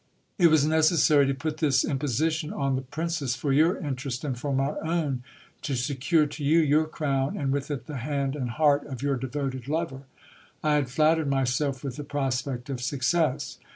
It was necessary to put this imposition on the princess for your interest and for my own ; to secure to you your crown, and with it the hand and heart of your devoted THE FATAL MARRIAGE. 133 lover. I had flattered myself with the prospect of success.